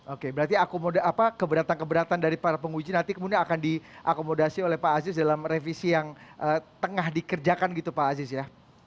oke berarti keberatan keberatan dari para penguji nanti kemudian akan diakomodasi oleh pak aziz dalam revisi yang tengah dikerjakan gitu pak aziz ya